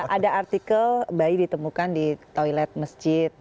ada artikel bayi ditemukan di toilet masjid